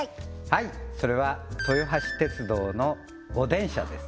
はいそれは豊橋鉄道のおでんしゃです